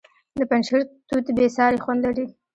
د پنجشیر توت بې ساري خوند لري.